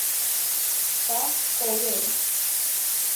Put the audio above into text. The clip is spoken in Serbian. Па, које је?